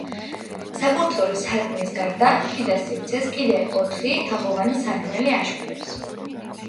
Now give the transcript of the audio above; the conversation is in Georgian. საკურთხევლის სარკმლის გარდა, შიდა სივრცეს კიდე ოთხი თაღოვანი სარკმელი აშუქებს.